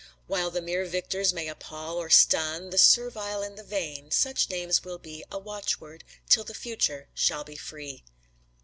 While the mere victor's may appal or stun The servile and the vain, such names will be A watchword till the future shall be free.